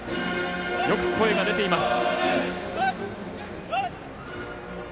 よく声が出ています。